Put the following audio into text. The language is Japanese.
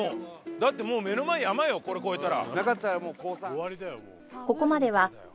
だってもう目の前山よこれ越えたら。